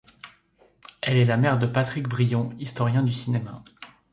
Elle est la mère de Patrick Brion, historien du cinéma.